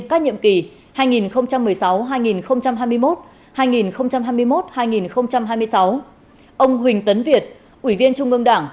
các nhiệm kỳ hai nghìn một mươi sáu hai nghìn hai mươi một hai nghìn hai mươi một hai nghìn hai mươi sáu ông huỳnh tấn việt ủy viên trung ương đảng